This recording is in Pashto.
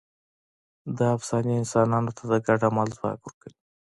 دا افسانې انسانانو ته د ګډ عمل ځواک ورکوي.